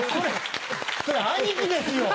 それ兄貴ですよ！